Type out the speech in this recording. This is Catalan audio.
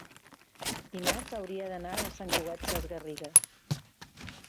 dimarts hauria d'anar a Sant Cugat Sesgarrigues.